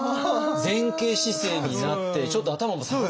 前傾姿勢になってちょっと頭も下がってる。